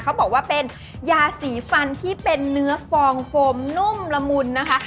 เขาบอกว่าเป็นยาสีฟันที่เป็นเนื้อฟองโฟมนุ่มละมุนนะคะ